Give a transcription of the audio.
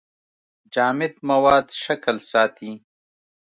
جامد مواد شکل ساتي.